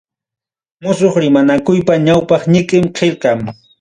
Musuq Rimanakuypa ñawpaq ñiqin qillqam.